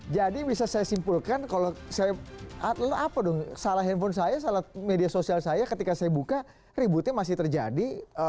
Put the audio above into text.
jadi bisa saya simpulkan kalau saya apa dong salah handphone saya salah media sosial saya ketika saya buka ributnya masih terjadi